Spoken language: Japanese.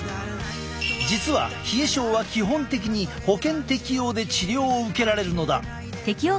実は冷え症は基本的に保険適用で治療を受けられるのだ。